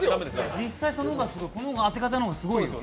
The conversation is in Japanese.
実際この当て方の方がすごいよ。